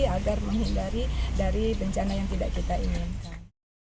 agar menghindari dari bencana yang tidak kita inginkan